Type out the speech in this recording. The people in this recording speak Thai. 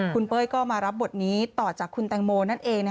คุณเป้ยก็มารับบทนี้ต่อจากคุณแตงโมนั่นเอง